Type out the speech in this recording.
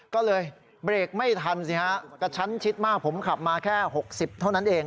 ก็เลยเบรกไม่ทันสิฮะกระชั้นชิดมากผมขับมาแค่๖๐เท่านั้นเอง